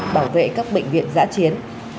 bảo vệ các bệnh viện giã chiến